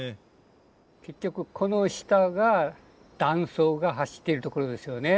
結局この下が断層が走ってるところですよね。